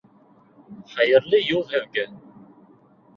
— Хәйерле юл һеҙгә!